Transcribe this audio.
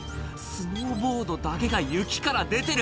スノーボードだけが雪から出てる」